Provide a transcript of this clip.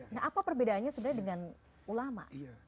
nah apa perbedaannya sebenarnya dengan ulama